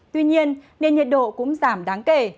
tuy nhiên nền nhiệt độ cũng giảm đáng kể